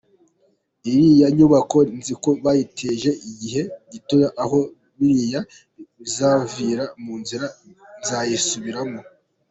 Iriya nyubako nziko bayitije igihe gitoya aho biriya bizavira munzira nzayisubirana”.